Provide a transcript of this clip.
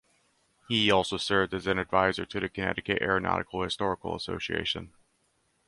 He also served as an advisor to the Connecticut Aeronautical Historical Association.